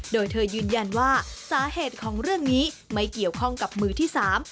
โดยเธอยืนยันว่าสาเหตุของเรื่องนี้ไม่เกี่ยวข้องกับมือที่สาม